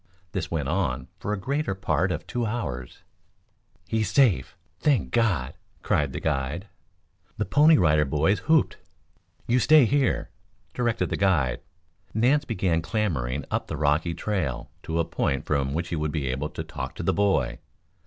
This went on for the greater part of two hours. "He's safe. Thank God!" cried the guide. The Pony Rider Boys whooped. "You stay here!" directed the guide. Nance began clambering up the rocky trail to a point from which he would be able to talk to the boy.